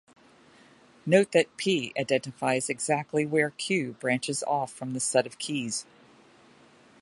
Note that "p" identifies exactly where "q" branches off from the set of keys.